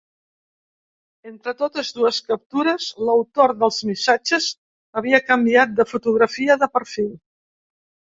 Entre totes dues captures, l’autor dels missatges havia canviat de fotografia de perfil.